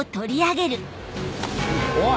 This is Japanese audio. おい！